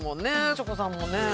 チョコさんもね。